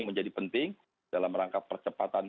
menjadi penting dalam rangka percepatan